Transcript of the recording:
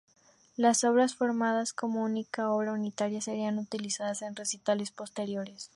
Las obras, formadas como una única obra unitaria, serían utilizadas en recitales posteriores.